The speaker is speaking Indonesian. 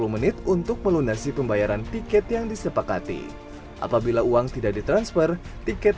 menit untuk melunasi pembayaran tiket yang disepakati apabila uang tidak ditransfer tiket